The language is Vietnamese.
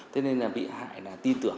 thế nên bị hại là tin tưởng